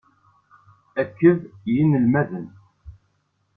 Akked yinelmaden.